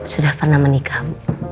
sudah pernah menikah